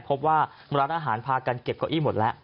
พบว่าร้านอาหารพากันเก็บเก้าอี้หมดแล้ว